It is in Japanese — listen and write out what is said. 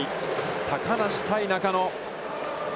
高梨対中野。